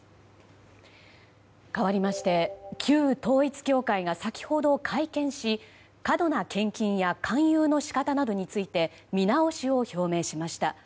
かわりまして旧統一教会が先ほど会見し過度な献金や勧誘の仕方などについて見直しを表明しました。